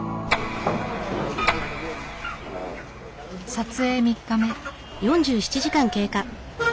撮影３日目。